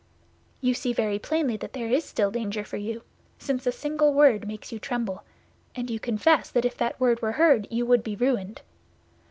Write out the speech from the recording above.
"You see very plainly that there is still danger for you, since a single word makes you tremble; and you confess that if that word were heard you would be ruined.